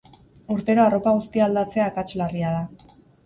Urtero arropa guztia aldatzea akats larria da.